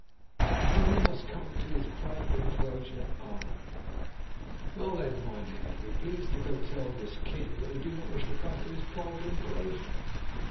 "That none must come into his private enclosure armed." "Well, then, mynheer, be pleased to go tell this king that we do not wish to come to his private enclosure.